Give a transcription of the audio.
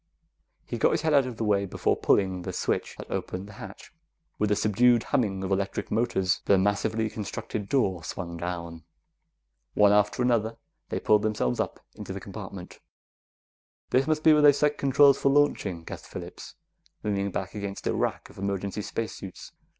He got his head out of the way before pulling the switch that opened the hatch. With a subdued humming of electric motors, the massively constructed door swung down. One after another, they pulled themselves up into the compartment. "This must be where they set controls for launching," guessed Phillips, leaning back against a rack of emergency spacesuits.